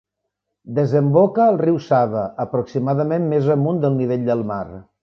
Desemboca al riu Sava, aproximadament més amunt del nivell del mar.